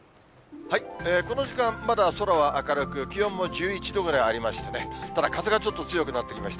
この時間、まだ空は明るく、気温も１１度ぐらいありましてね、ただ、風がちょっと強くなってきました。